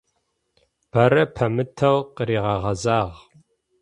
Бэрэ пэмытэу къыригъэгъэзагъ.